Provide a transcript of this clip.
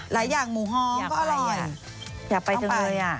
หลายอย่างหมูฮอมก็อร่อยต้องไปอ้ะต้องไปอยากไปจริงเลย